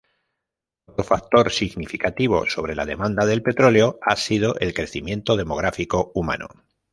Otro factor significativo sobre la demanda del petróleo ha sido el crecimiento demográfico humano.